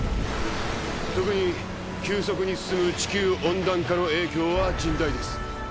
特に急速に進む地球温暖化の影響は甚大です